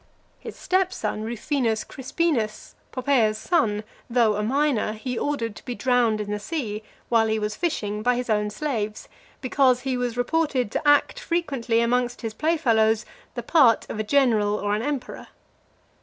His step son, Rufinus Crispinus, Poppaea's son, though a minor, he ordered to be drowned in the sea, while he was fishing, by his own slaves, because he was reported to act frequently amongst his play fellows the part of a general or an emperor.